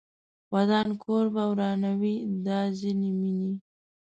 ودان کور به ورانوي دا ځینې مینې